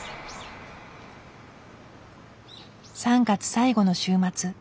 ３月最後の週末。